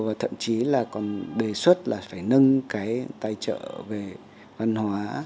và thậm chí là còn đề xuất là phải nâng cái tài trợ về văn hóa